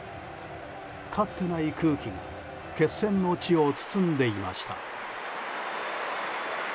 かつてない空気が決戦の地を包んでいました。